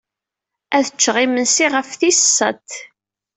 Ad cceɣ imensi ɣef tis sat.